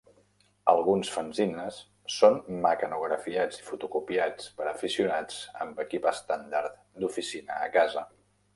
Alguns fanzines són mecanografiats i fotocopiats per aficionats amb equip estàndard d'oficina a casa.